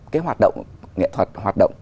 cái hoạt động nghệ thuật hoạt động